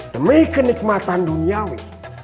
demi kenikmatan duniawi